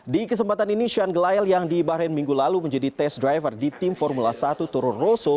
di kesempatan ini sean glyle yang diibahin minggu lalu menjadi test driver di tim formula satu toro rosso